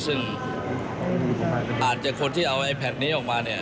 ซึ่งอาจจะคนที่เอาแผ่นนี้ออกมา